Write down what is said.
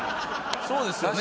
そうですよね。